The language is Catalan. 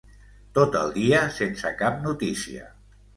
Tot el dia sense cap notícia.